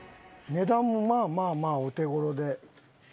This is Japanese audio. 値段もまあまあまあお手頃で。